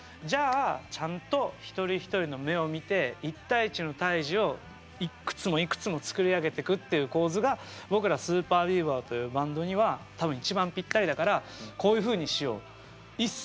じゃあちゃんと一人一人の目を見て一対一の対峙をいくつもいくつもつくり上げてくっていう構図が僕らＳＵＰＥＲＢＥＡＶＥＲというバンドには多分一番ぴったりだからこういうふうにしようと。